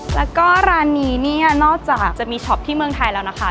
แล้วก็ร้านนี้เนี่ยนอกจากจะมีช็อปที่เมืองไทยแล้วนะคะ